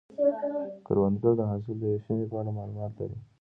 کروندګر د حاصل د ویشنې په اړه معلومات لري